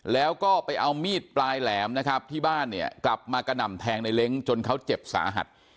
แล้วก็ไปเอามีดปลายแหลมนะครับที่บ้านเนี่ยกลับมากระหน่ำแทงในเล้งจนเขาเจ็บสาหัส